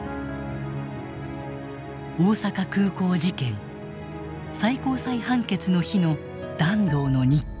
大阪空港事件最高裁判決の日の團藤の日記。